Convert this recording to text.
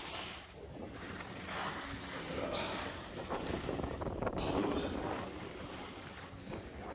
だから頼む。